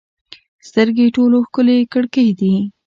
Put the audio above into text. سترګې ټولو ښکلې کړکۍ دي.